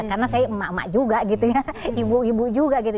karena saya emak emak juga gitu ya ibu ibu juga gitu